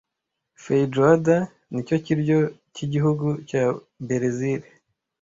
Feijoada nicyo kiryo cyigihugu cya Berezile